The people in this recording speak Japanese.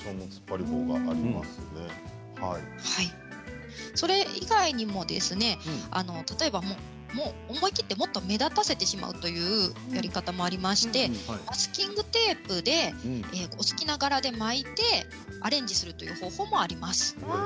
インテリアによっては白だと浮いちゃう場合がそれ以外にも思い切って目立たせてしまうというやり方もありましてマスキングテープでお好きな柄で巻いてアレンジするという方法もあります。